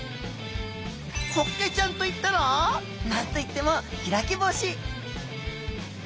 ホッケちゃんと言ったら何と言っても開き干し。